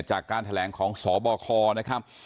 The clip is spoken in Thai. จากการแถลงของสบคนะครับ